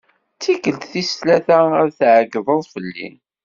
D tikelt tis tlata ara d-tɛeggdeḍ fell-i.